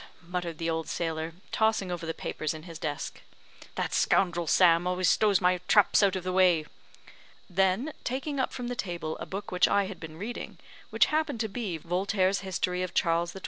muttered the old sailor, tossing over the papers in his desk; "that scoundrel, Sam, always stows my traps out of the way." Then taking up from the table a book which I had been reading, which happened to be Voltaire's History of Charles XII.